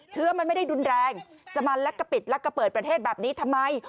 เชื้อมันไม่ได้รุนแรงจะมาลักกะปิดลักกะเปิดประเทศแบบนี้ทำไม